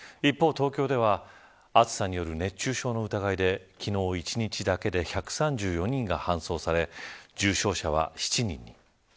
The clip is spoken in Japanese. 一方、東京では暑さによる熱中症の疑いで昨日一日だけで１３４人が搬送され重症者は７人。